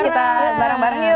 kita bareng bareng yuk